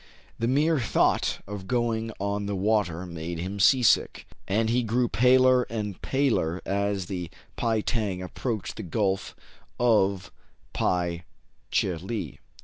The mere thought of going on the water made him seasick, and he grew paler a»d paler as the "Pei Tang" approached the Gulf of Pe che lee.